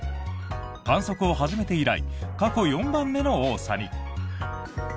観測を始めて以来過去４番目の多さに。